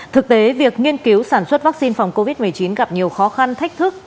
thực tế việc nghiên cứu sản xuất vaccine phòng covid một mươi chín gặp nhiều khó khăn thách thức